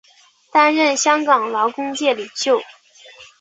担任香港劳工界领袖。